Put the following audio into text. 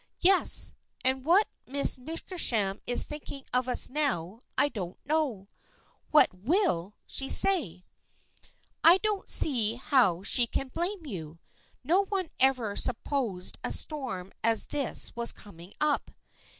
" Yes, and what Miss Wickersham is thinking of us now I don't know. What will she say ?"" I don't see how she can blame you. No one ever supposed such a storm as this was coming up.